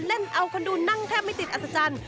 เล่นเอาคนดูนั่งแทบไม่ติดอัศจรรย์